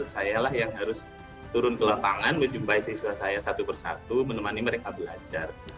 saya lah yang harus turun ke lapangan menjumpai siswa saya satu persatu menemani mereka belajar